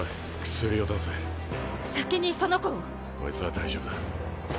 薬を出せ先にその子をこいつはうっ！